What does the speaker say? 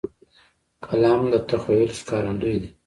قلم د تخیل ښکارندوی دی